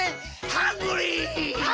ハングリー！